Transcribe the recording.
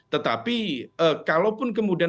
tetapi kalaupun kemudian